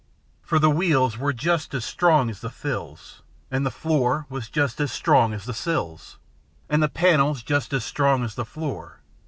For the wheels were just as strong as the thills. And the floor was just as strong as the sills. And the panels just as strong as the floor.